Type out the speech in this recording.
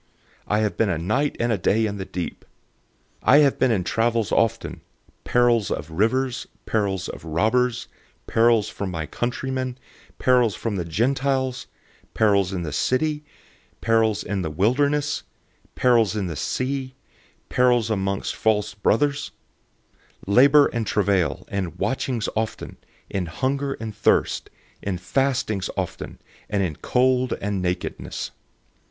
I have been a night and a day in the deep. 011:026 I have been in travels often, perils of rivers, perils of robbers, perils from my countrymen, perils from the Gentiles, perils in the city, perils in the wilderness, perils in the sea, perils among false brothers; 011:027 in labor and travail, in watchings often, in hunger and thirst, in fastings often, and in cold and nakedness.